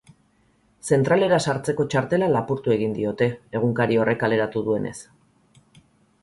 Zentralera sartzeko txartela lapurtu egin diote, egunkari horrek kaleratu duenez.